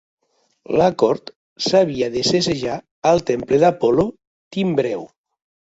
L'acord s'havia de segellar al temple d'Apol·lo Timbreu.